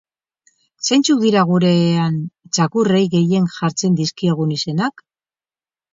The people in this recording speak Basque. Zeintzuk dira gurean txakurrei gehien jartzen dizkiegun izenak?